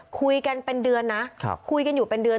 คุยกันเป็นเดือนนะคุยกันอยู่เป็นเดือน